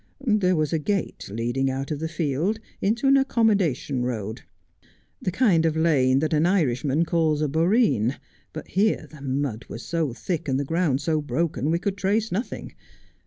There was a gate leading out of the field into an accommodation road, the kind of lane that an Irishman calls a boreen, but here the mud was so thick and the ground so broken we could trace nothing.